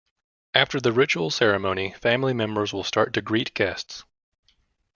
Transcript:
After the ritual ceremony family members will start to greet guests.